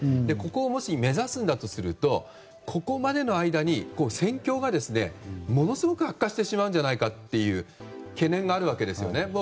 ここを目指すとするとここまでの間に戦況がものすごく悪化してしまうんじゃないかという懸念があるわけですよね。